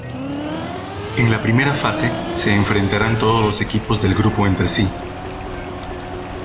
En la primera fase se enfrentarán todos los equipos del grupo entre sí.